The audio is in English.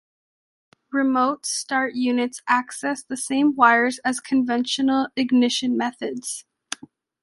Remote start units access the same wires as conventional ignition methods.